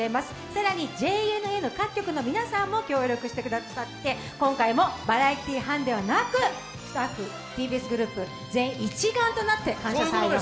更にＪＮＮ各局の皆さんも協力してくださって、今回もバラエティー班ではなくＴＢＳグループ一丸となって「感謝祭」を。